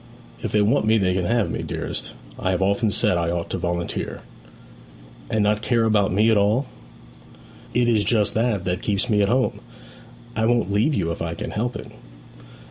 'If they want me they can have me, dearest. I have often said I ought to volunteer.' 'And not care about me at all?' 'It is just that that keeps me at home. I won't leave you if I can help it.'